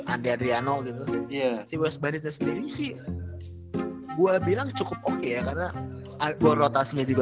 andriano gitu iya sih west bandit sendiri sih gua bilang cukup oke karena aku rotasinya juga